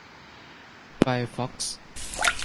ไฟร์ฟอกซ์